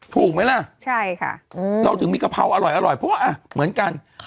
ถูกไหมล่ะเราถึงเรามีกะเพราอร่อยเพราะว่าเหมือนกัน